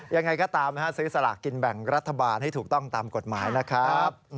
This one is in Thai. ยังไงก็ตามซื้อสลากกินแบ่งรัฐบาลให้ถูกต้องตามกฎหมายนะครับ